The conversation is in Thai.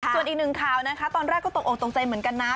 ส่วนอีกหนึ่งข่าวนะคะตอนแรกก็ตกออกตกใจเหมือนกันนะ